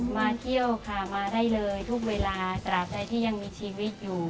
มาเที่ยวค่ะมาได้เลยทุกเวลาตราบใดที่ยังมีชีวิตอยู่